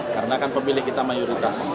karena kan pemilih kita mayoritas